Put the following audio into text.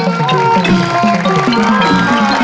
กลับมารับทราบ